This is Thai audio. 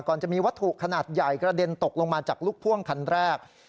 จะมีวัตถุขนาดใหญ่กระเด็นตกลงมาจากลูกพ่วงคันแรก